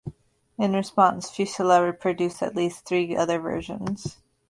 In response, Fuseli produced at least three other versions.